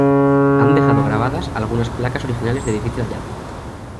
Han dejado grabadas algunas placas originales de difícil hallazgo.